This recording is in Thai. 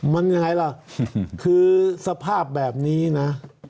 มันยังไงล่ะคือสภาพแบบนี้นะ